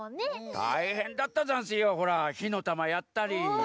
たいへんだったざんすよ。ほらひのたまやったり。